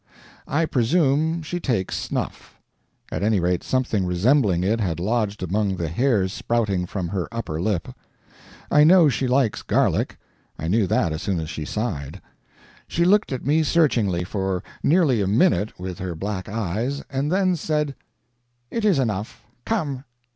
I presume she takes snuff. At any rate, something resembling it had lodged among the hairs sprouting from her upper lip. I know she likes garlic I knew that as soon as she sighed. She looked at me searchingly for nearly a minute, with her black eyes, and then said: "It is enough. Come!"